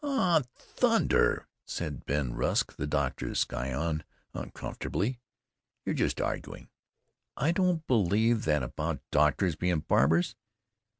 "Aw, thunder!" said Ben Rusk, the doctor's scion, uncomfortably, "you're just arguing. I don't believe that about doctors being barbers.